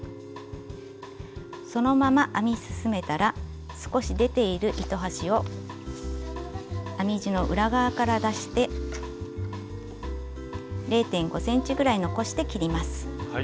そのまま編み進めたら少し出ている糸端を編み地の裏側から出して０．５ｃｍぐらい残して切ります。